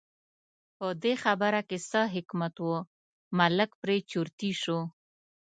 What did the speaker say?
په دې خبره کې څه حکمت و، ملک پرې چرتي شو.